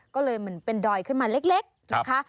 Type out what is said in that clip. ก็เลยมันเป็นดอยขึ้นมาเล็ก